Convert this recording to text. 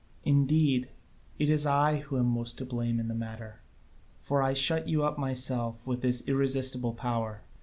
Indeed it is I who am most to blame in the matter, for I shut you up myself with this irresistible power."